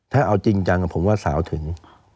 ถ้าเอาจริงจังผมว่าสาวถึง